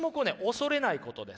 恐れないことです。